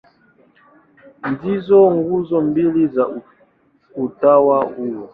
Ndizo nguzo mbili za utawa huo.